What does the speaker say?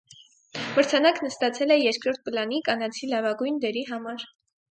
Մրցանակն ստացել է երկրորդ պլանի կանացի լավագույն դերի համար։